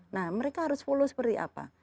nah mereka harus follow seperti apa